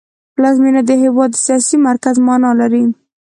پلازمېنه د هېواد د سیاسي مرکز مانا لري